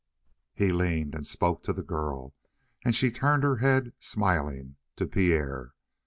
He leaned and spoke to the girl, and she turned her head, smiling, to Pierre.